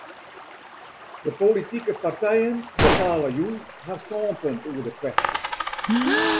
De politike partijen bepale jûn har stânpunt oer de kwestje.